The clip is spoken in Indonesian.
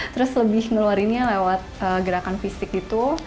terus lebih ngeluarinnya lewat gerakan fisik gitu